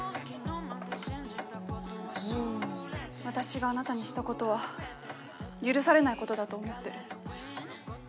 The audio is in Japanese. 私があなたにしたことは許されないことだと思ってる